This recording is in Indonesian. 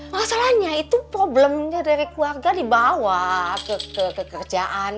masalahnya itu problemnya dari keluarga dibawa kekekerjaan